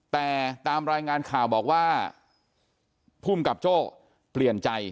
แต่ตามรายงานข่าวบอกว่าภูมิกับโจ้เปลี่ยนใจ